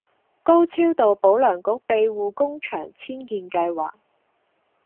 高超道保良局庇護工場遷建計劃